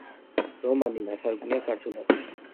რომანი ნათარგმნია ქართულადაც.